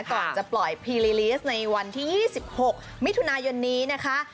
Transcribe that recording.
ก่อนจะปล่อยพีลีสในวันที่๒๖มิถุนายนนี้นะคะ